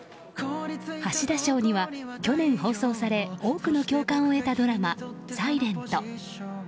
橋田賞には、去年放送され多くの共感を得たドラマ「ｓｉｌｅｎｔ」。